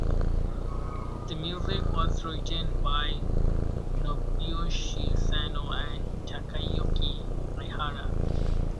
The music was written by Nobuyoshi Sano and Takayuki Aihara.